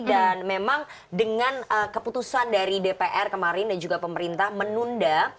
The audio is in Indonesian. dan memang dengan keputusan dari dpr kemarin dan juga pemerintah menunda